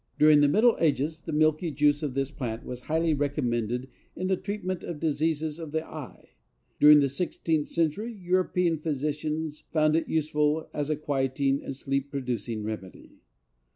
During the middle ages the milky juice of this plant was highly recommended in the treatment of diseases of the eye. During the sixteenth century European physicians found it useful as a quieting and sleep producing remedy.